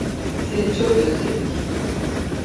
Seni çok özledik.